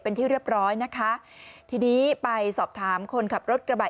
เป็นที่เรียบร้อยนะคะทีนี้ไปสอบถามคนขับรถกระบะ